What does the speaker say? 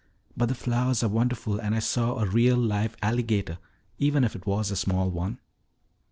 But the flowers are wonderful and I saw a real live alligator, even if it was a small one."